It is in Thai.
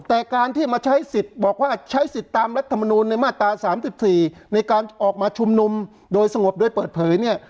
แต่การที่มาใช้สิทธิ์บอกว่าใช้สิทธิ์ตามรัฐมนูลในมาตรา๓๔ในการออกมาชุมนุมโดยสงบโดยเปิดเผยเนี่ย